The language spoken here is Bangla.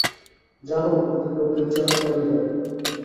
যা হোক, যদি প্রভুর ইচ্ছা হয় তবেই হবে।